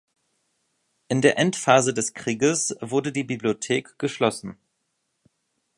In der Endphase des Krieges wurde die Bibliothek geschlossen.